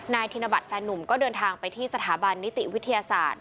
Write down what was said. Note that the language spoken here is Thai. ธินบัตรแฟนนุ่มก็เดินทางไปที่สถาบันนิติวิทยาศาสตร์